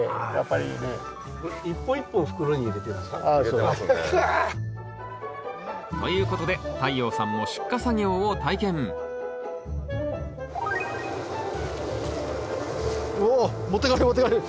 うわ。ということで太陽さんも出荷作業を体験うお持ってかれる持ってかれる。